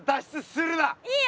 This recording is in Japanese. いいよ